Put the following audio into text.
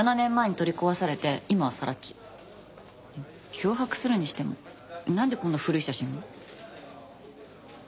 脅迫するにしてもなんでこんな古い写真を？